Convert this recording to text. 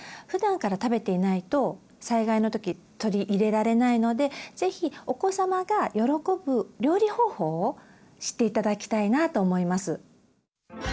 ふだんから食べていないと災害の時取り入れられないのでぜひお子様が喜ぶ料理方法を知って頂きたいなと思います。